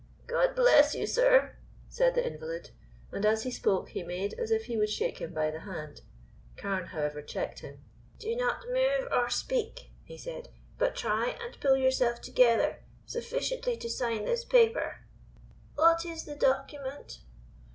"God bless you, sir," said the invalid, and as he spoke he made as if he would shake him by the hand. Carne, however, checked him. "Do not move or speak," he said, "but try and pull yourself together sufficiently to sign this paper." "What is the document?"